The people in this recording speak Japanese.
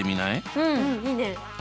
うんいいね。